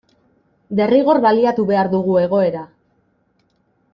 Derrigor baliatu behar dugu egoera.